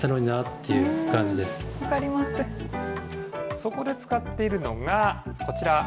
そこで使っているのがこちら。